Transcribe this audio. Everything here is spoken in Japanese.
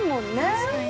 確かに。